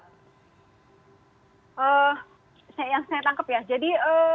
yang saya tangkap ya jadi